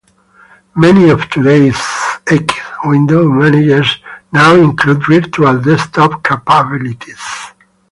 Many of today's X window managers now include virtual desktop capabilities.